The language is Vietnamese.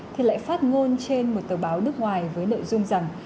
thì lại phát ngôn trên một tờ báo nước ngoài với nội dung rằng